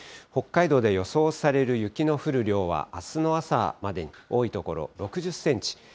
北海道で予想される雪の降る量は、あすの朝までに多い所、６０センチ。